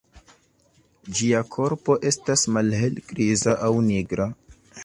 Ĝia korpo estas malhelgriza aŭ nigra.